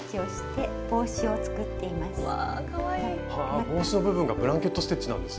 帽子の部分がブランケット・ステッチなんですね。